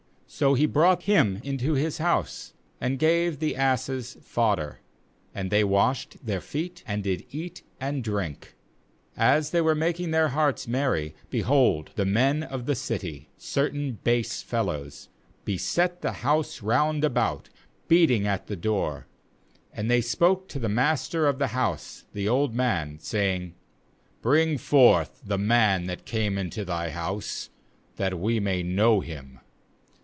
aSo he brought him into his house, and gave the asses fodder; and they washed their feet, and did eat and drink. ^As they were making their hearts merry, behold, the men of the city, certain base fellows, beset the house round about, beating at the door; and they spoke to the master of the house, the old man, saying: 'Bring forth the man that came into thy house, that we may know him.'